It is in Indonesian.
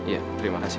iya terima kasih